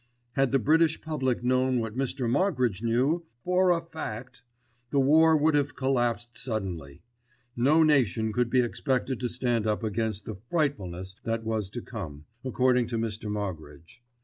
Had the British public known what Mr. Moggridge knew "for a fact," the war would have collapsed suddenly. No nation could be expected to stand up against the "frightfulness" that was to come, according to Mr. Moggridge.